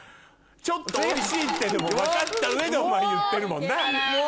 ちょっとおいしいって分かった上でお前言ってるもんな？